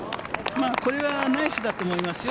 これはナイスだと思いますよ。